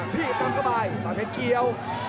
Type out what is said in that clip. พี่น้ำกระบายแปดแปดเกียว